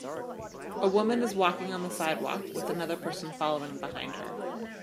A woman is walking on the sidewalk with another person following behind her.